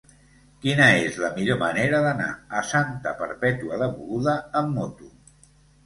Quina és la millor manera d'anar a Santa Perpètua de Mogoda amb moto?